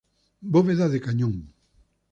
Bóveda de cañón.